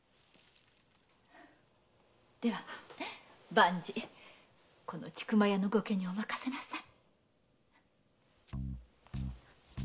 では万事この千曲屋の後家にお任せなさい。